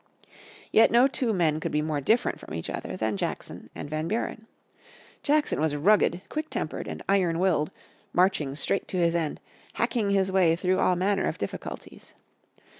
Yet no two men could be more different from each other than Jackson and Van Buren. Jackson was rugged, quick tempered and iron willed, marching straight to his end, hacking his way through all manner of difficulties.